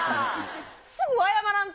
すぐ謝らんと。